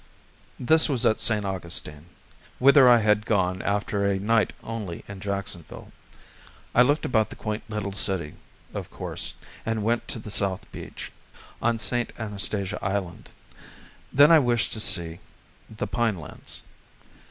This was at St. Augustine, whither I had gone after a night only in Jacksonville. I looked about the quaint little city, of course, and went to the South Beach, on St. Anastasia Island; then I wished to see the pine lands.